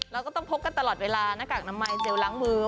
เราก็ต้องพบกันตลอดเวลานักอากน้ำไม้เจลล้างมือ